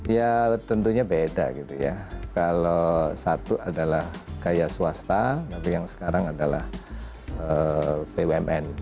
ya tentunya beda gitu ya kalau satu adalah kayak swasta tapi yang sekarang adalah bumn